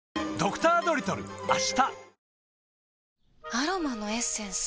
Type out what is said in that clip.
アロマのエッセンス？